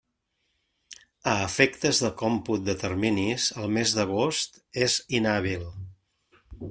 A efectes de còmput de terminis, el mes d'agost és inhàbil.